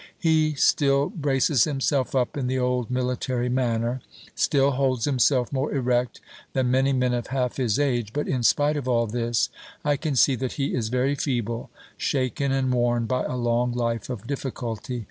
He still braces himself up in the old military manner, still holds himself more erect than many men of half his age; but, in spite of all this, I can see that he is very feeble; shaken and worn by a long life of difficulty.